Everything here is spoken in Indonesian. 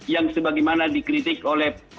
yang sebagaimana dikritik oleh